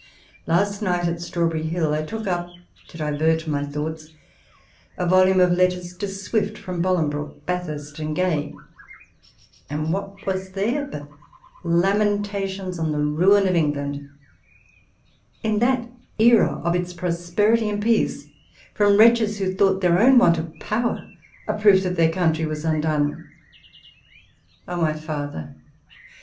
Last night, at Straw berry Hill, I took up, to divert my thoughts, a volume of letters to Swift from Bolingbroke, Bathurst, and Gay ; and what was there but lamentations on the ruin of England, in that era of its prosperity and peace, from wretches who thought their own want of power a proof that their country was undone ! Oh, my father